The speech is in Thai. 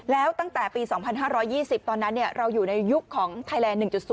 แล้วตั้งแต่ปี๒๕๒๐ตอนนั้นเราอยู่ในยุคของไทยแลนด๑๐